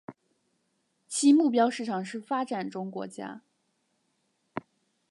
其目标市场是发展中国家。